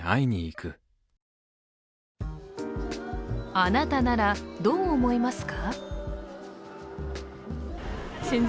あなたならどう思いますか？